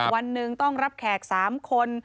วันหนึ่งต้องรับแขก๓คน